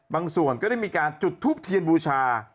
ส่วนก็ได้มีการจุดทูปเทียนบูชา